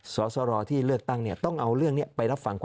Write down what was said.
สรรที่เลือกตั้งต้องเอาเรื่อง